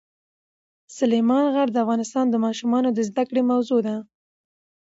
سلیمان غر د افغان ماشومانو د زده کړې موضوع ده.